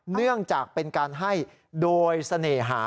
เนื่องจากเป็นการให้โดยเสน่หา